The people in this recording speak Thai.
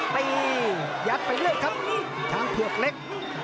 ยัดไปเรื่อยครับช้างเผือกเล็ก